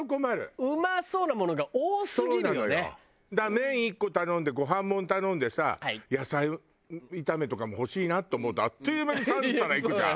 麺１個頼んでご飯もの頼んでさ野菜炒めとかも欲しいなって思うとあっという間に３皿いくじゃん。